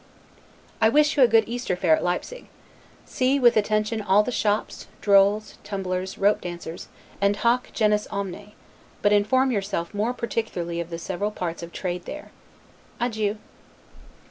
I wish you a good Easter fair at Leipsig. See, with attention all the shops, drolls, tumblers, rope dancers, and 'hoc genus omne': but inform yourself more particularly of the several parts of trade there. Adieu.